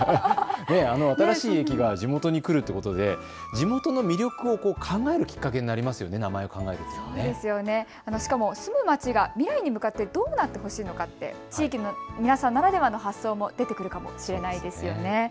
新しい駅が地元に来るということで地元の魅力を考えるきっかけになりますので名前を考えるということは住む街が未来に向かってどうなってほしいのか地域の皆さんならではの発想も出てくるかもしれませんね。